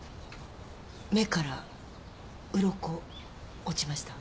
目からうろこ落ちました。